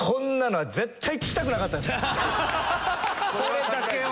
これだけは。